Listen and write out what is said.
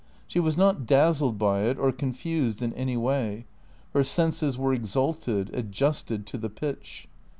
She was not dazzled by it or confused in any way. Her senses were exalted, adjusted to the pitch.